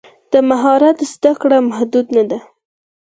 د مهارت زده کړه محدود نه ده.